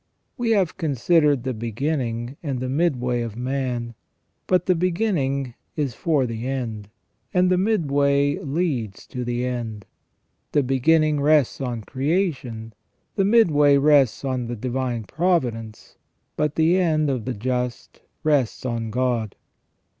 We have considered the beginning and the midway of man ; but the beginning is for the end, and the midway leads to the end. The beginning rests on creation, the midway rests on the divine providence, but the end of the just rests on God.